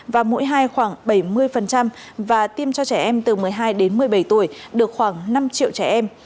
và mũi hai khoảng bảy mươi và tiêm cho trẻ em từ một mươi hai đến một mươi bảy tuổi được khoảng năm triệu trẻ em